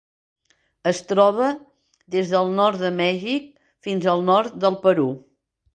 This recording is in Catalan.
Es troba des del nord de Mèxic fins al nord del Perú.